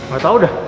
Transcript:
gak tau dah